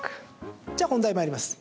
じゃあ本題に参ります。